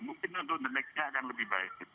mungkin untuk the next nya akan lebih baik